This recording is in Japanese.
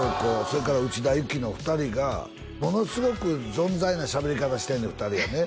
それから内田有紀の２人がものすごくぞんざいなしゃべり方してんねん２人がね